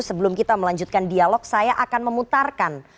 sebelum kita melanjutkan dialog saya akan memutarkan